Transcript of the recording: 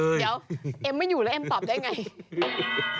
เดี๋ยวเอ็มไม่อยู่แล้วเอ็มตอบได้ไง